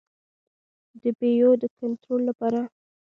د بیو د کنټرول لپاره.